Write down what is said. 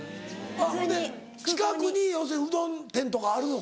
ほんで近くに要するにうどん店とかあるの？